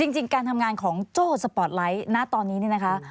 จริงการทำงานของโจ้สปอร์ตไลท์ณตอนนี้เนี่ยนะคะ